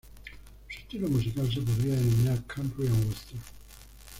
Su estilo musical se podría denominar Country and Western.